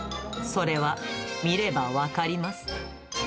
それは見れば分かります。